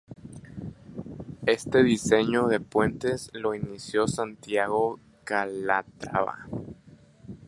Este diseño de puentes lo inició Santiago Calatrava.